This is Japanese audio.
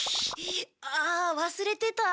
あ忘れてた。